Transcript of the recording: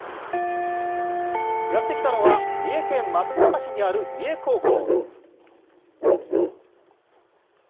やって来たのは、三重県松阪市にある三重高校。